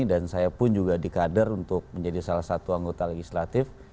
dan saya pun juga di kader untuk menjadi salah satu anggota legislatif